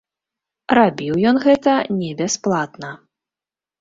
Рабіў ён гэта не бясплатна.